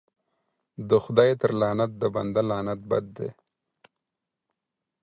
د خداى تر لعنت د بنده لعنت بد دى.